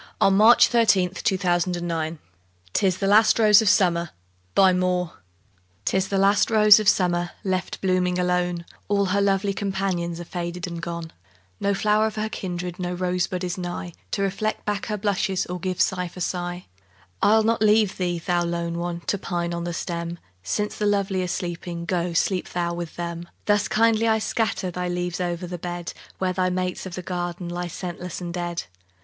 ...other Poetry Sites Thomas Moore (1779 1852) 'TIS THE LAST ROSE OF SUMMER 'TIS the last rose of summer, Left blooming alone ; All her lovely companions Are faded and gone ; No flower of her kindred, No rose bud is nigh, To reflect back her blushes, Or give sigh for sigh. I'll not leave thee, thou lone one ! To pine on the stem ; Since the lovely are sleeping, Go sleep thou with them. Thus kindly I scatter Thy leaves o'er the bed, Where thy mates of the garden Lie scentless and dead.